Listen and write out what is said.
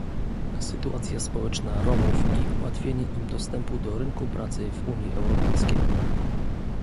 Sytuacja społeczna Romów i ułatwienie im dostępu do rynku pracy w Unii Europejskiej